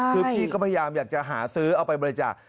คือพี่ก็พยายามอยากจะหาซื้อเอาไปบริจาค